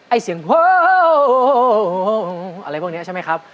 เสียงโพอะไรพวกนี้ใช่ไหมครับ